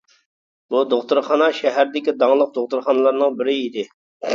بۇ دوختۇرخانا شەھەردىكى داڭلىق دوختۇرخانىلارنىڭ بىرى ئىدى.